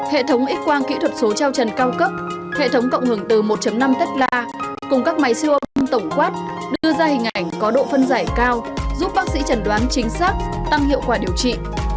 hệ thống ít quang kỹ thuật số trao trần cao cấp hệ thống cộng hưởng từ một năm tesla cùng các máy siêu âm tổng quát đưa ra hình ảnh có độ phân giải cao giúp bác sĩ trần đoán chính xác tăng hiệu quả điều trị